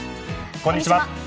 こんにちは。